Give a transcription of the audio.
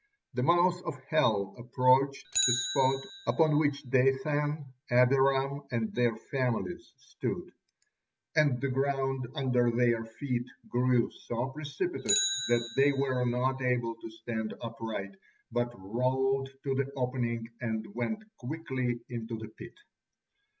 The mouth of hell approached the spot upon which Dathan, Abiram, and their families stood, and the ground under their feet grew so precipitous that they were not able to stand upright, but rolled to the opening and went quickly into the pit.